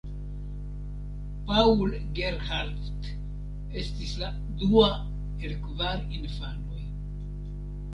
Paul Gerhardt estis la dua el kvar infanoj.